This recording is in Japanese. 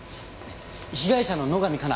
被害者の野上加奈